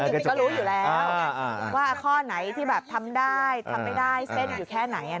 ก็รู้อยู่แล้วว่าข้อไหนที่แบบทำได้ทำไม่ได้เส้นอยู่แค่ไหน